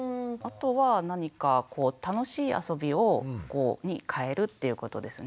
あとは何かこう楽しい遊びに変えるっていうことですね。